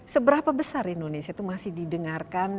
seberapa besar indonesia itu masih didengarkan